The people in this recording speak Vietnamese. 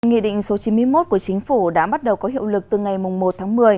nghị định số chín mươi một của chính phủ đã bắt đầu có hiệu lực từ ngày một tháng một mươi